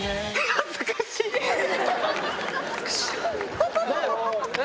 恥ずかしいな。